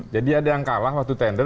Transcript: jadi ada yang kalah waktu tender